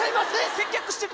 接客してる！